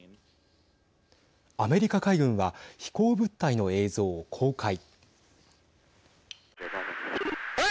アメリカ海軍は飛行物体の映像を公開。